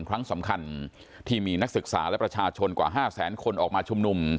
ครั้งสำคัญที่มีนักศึกษาและประชาชนกว่า๕แสนคนออกมาชุมนุม